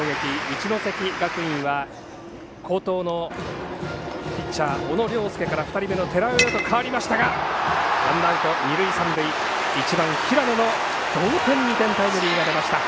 一関学院は好投のピッチャー、小野涼介から２人目の寺尾へと代わりましたがワンアウト二塁三塁１番、平野の同点２点タイムリーが出ました。